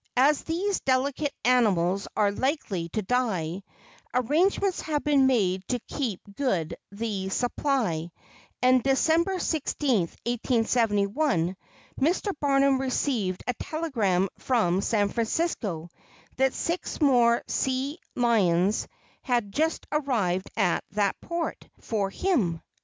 As these delicate animals are likely to die, arrangements have been made to keep good the supply, and December 16, 1871, Mr. Barnum received a telegram from San Francisco that six more sea lions had just arrived at that port for him.